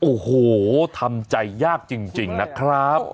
โอ้โหทำใจยากจริงนะครับ